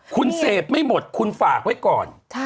คุณเสพไม่หมดคุณฝากไว้ก่อน